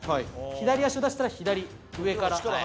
左足を出したら左上から。